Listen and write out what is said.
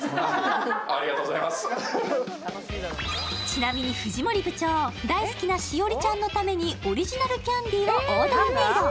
ちなみに藤森部長、大好きな栞里ちゃんのためにオリジナルキャンディーをオーダーメード。